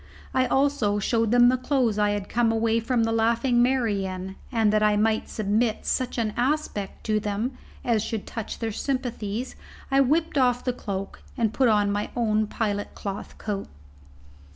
I also showed them the clothes I had come away from the Laughing Mary in; and, that I might submit such an aspect to them as should touch their sympathies, I whipped off the cloak and put on my own pilot cloth coat.